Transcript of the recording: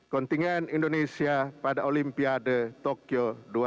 kontingen indonesia pada olimpiade tokyo dua ribu dua puluh